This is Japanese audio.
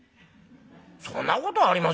「そんなことはありませんよ」。